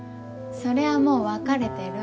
それはもう別れてる。